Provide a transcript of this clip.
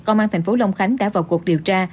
công an thành phố long khánh đã vào cuộc điều tra